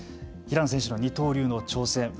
平野選手の二刀流の挑戦。